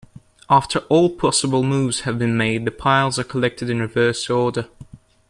After all possible moves have been made, the piles are collected in reverse order.